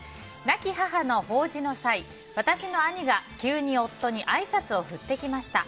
亡き母の法事の際、私の兄が急に夫にあいさつを振ってきました。